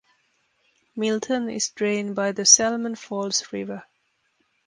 Milton is drained by the Salmon Falls River.